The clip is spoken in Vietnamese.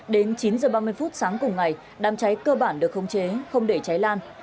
đến chín h ba mươi sáng cùng ngày đám cháy cơ bản được không chế không để cháy lan